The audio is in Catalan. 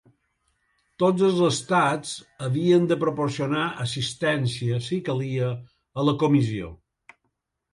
Tots els estats havien de proporcionar assistència, si calia, a la comissió.